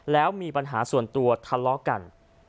แล้วมีปัญหาส่วนตัวทะเลาะกัน